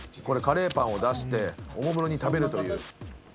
カレーパンを出しておもむろに食べるという。